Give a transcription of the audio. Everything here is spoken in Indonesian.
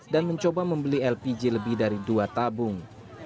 dan mencoba membeli lpg lebih dari dua tabung